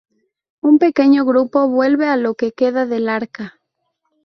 Un pequeño grupo vuelve a lo que queda del Arca.